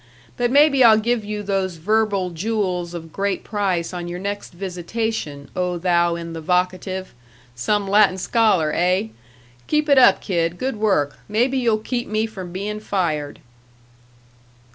But maybe I'll give you those verbal jewels of great price on your next visitation, oh thou in the vocative some Latin scholar, eh? Keep it up, kid; good work. Maybe you'll keep me from being fired."